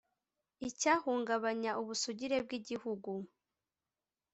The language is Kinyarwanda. icyahungabanya ubusugire bw igihugu